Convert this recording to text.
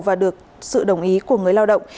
và được sự đồng ý của người lao động